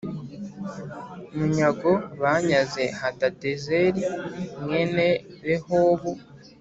Munyago banyaze hadadezeri mwene rehobu